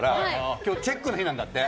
今日チェックの日なんだって。